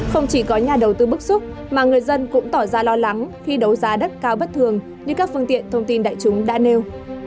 không chỉ có nhà đầu tư bức xúc mà người dân cũng tỏ ra lo lắng khi đấu giá đất cao bất thường như các phương tiện thông tin đại chúng đã nêu